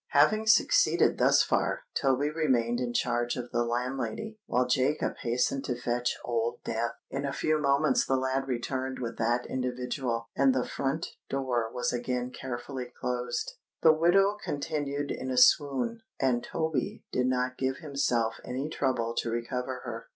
Having succeeded thus far, Toby remained in charge of the landlady, while Jacob hastened to fetch Old Death. In a few moments the lad returned with that individual; and the front door was again carefully closed. The widow continued in a swoon; and Toby did not give himself any trouble to recover her.